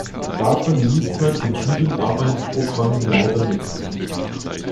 Davon liest man in diesem Arbeitsprogramm leider nichts.